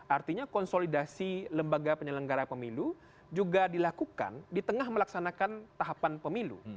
artinya konsolidasi lembaga penyelenggara pemilu juga dilakukan di tengah melaksanakan tahapan pemilu